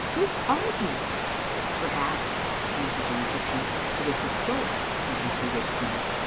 Who are you?" "Perhaps," answered the Egyptian, "it is the cloak that has bewitched me."